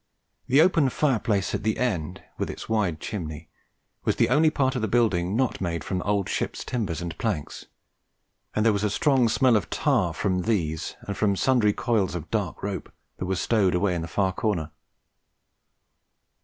The open fireplace at the end, with its wide chimney, was the only part of the building not made of old ship timbers and planks, and there was a strong smell of tar from these and from sundry coils of dark rope that were stowed away in a far corner.